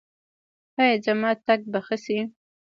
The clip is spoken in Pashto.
ایا زما تګ به ښه شي؟